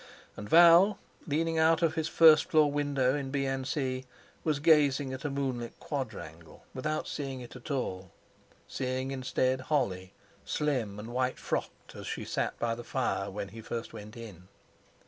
And Val, leaning out of his first floor window in B.N.C., was gazing at a moonlit quadrangle without seeing it at all, seeing instead Holly, slim and white frocked, as she sat beside the fire when he first went in.